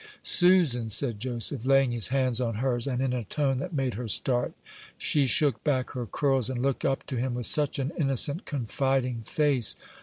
"Susan!" said Joseph, laying his hand on hers, and in a tone that made her start. She shook back her curls, and looked up to him with such an innocent, confiding face!